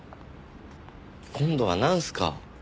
今度はなんすか？